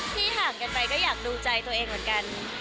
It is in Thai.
ห่างกันไปก็อยากดูใจตัวเองเหมือนกัน